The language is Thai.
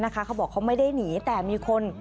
เขาบอกเขาไม่ได้หนีแต่มีคน